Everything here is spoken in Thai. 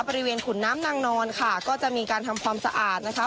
บริเวณขุนน้ำนางนอนค่ะก็จะมีการทำความสะอาดนะคะ